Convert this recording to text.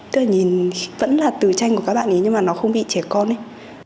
tức là nhìn vẫn là từ tranh của các bạn ấy nhưng mà nó không bị trẻ con ấy